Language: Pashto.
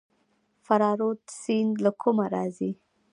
فراه رود سیند له کومه راځي؟